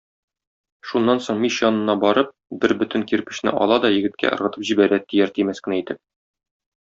Шуннан соң мич янына барып, бер бөтен кирпечне ала да егеткә ыргытып җибәрә, тияр-тимәс кенә итеп.